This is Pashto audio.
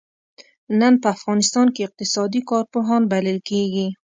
نن په افغانستان کې اقتصادي کارپوهان بلل کېږي.